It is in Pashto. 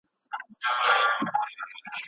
د ښه کار پیدا کولو لپاره يې ډېره هڅه کړي ده.